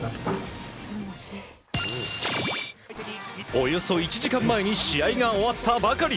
およそ１時間前に試合が終わったばかり。